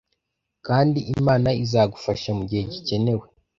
Kandi Imana izagufasha mugihe gikenewe.